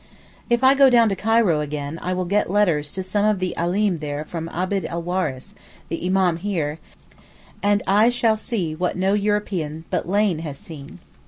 If I go down to Cairo again I will get letters to some of the Alim there from Abd el Waris, the Imam here, and I shall see what no European but Lane has seen.